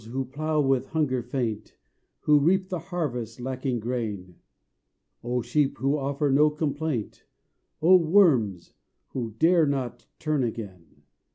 who plough, with hunger faint; Who reap the harvest, lacking grain; Oh Sheep! who offer no complaint; Oh Worms! who dare not turn again.